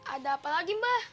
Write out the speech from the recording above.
ada apa lagi mbah